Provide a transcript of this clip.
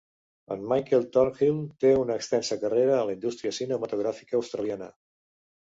En Michael Thornhill té una extensa carrera a la indústria cinematogràfica australiana.